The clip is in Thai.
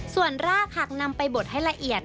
ส่วนรากหากนำไปบดให้ละเอียด